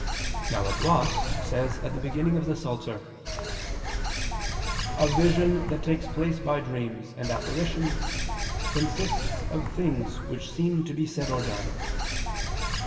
Now a gloss says at the beginning of the Psalter, "a vision that takes place by dreams and apparitions consists of things which seem to be said or done."